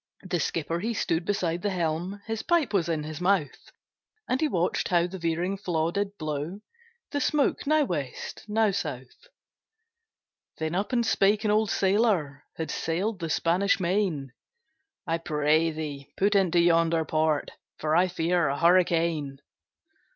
The skipper he stood beside the helm, His pipe was in his mouth, And he watched how the veering flaw did blow The smoke now West, now South. Then up and spake an old sailòr, Had sail'd the Spanish Main, 'I pray thee, put into yonder port, For I fear a hurricane.